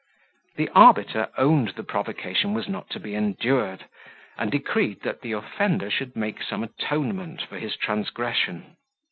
The arbiter owned the provocation was not to be endured; and decreed that the offender should make some atonement for his transgression.